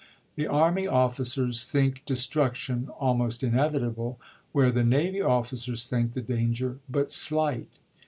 The army officers think de struction almost inevitable, where the navy officers think the danger but slight.